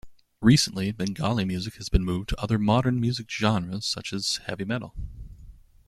Recently, Bengali music has moved to other modern music genres such as heavy metal.